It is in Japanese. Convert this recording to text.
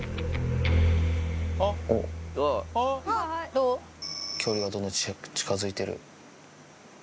おっ距離がどんどん近づいてる。